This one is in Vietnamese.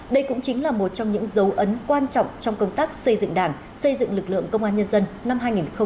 đây cũng chính là một trong những dấu ấn quan trọng trong công tác xây dựng đảng xây dựng lực lượng công an nhân dân năm hai nghìn hai mươi ba